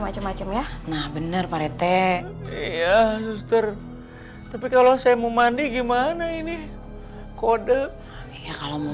macem macem ya nah bener pak rt iya suster tapi kalau saya mau mandi gimana ini kode kalau mau